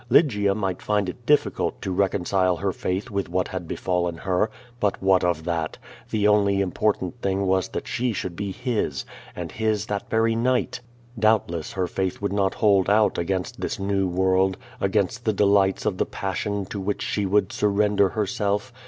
Ly gia might find it difficult to reconcile her faith with what had befallen her. But what of tliat? The only important thing was that she shouhl be his, and his that very night. Doubtless her faith would not Ijold out against this new world, against the delights of the passion to which she would surrender herself.